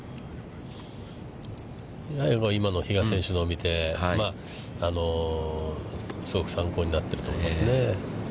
今の比嘉選手のを見て、すごく参考になってると思いますね。